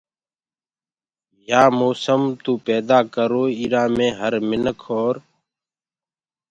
يآ موسم تو پيدآ ڪروئي ايرآ مي هر مِنک اور